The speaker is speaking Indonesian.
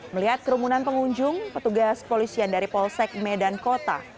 melihat kerumunan pengunjung petugas polisian dari polsek medan kota